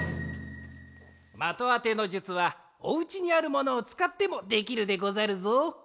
的あての術はお家にあるものをつかってもできるでござるぞ。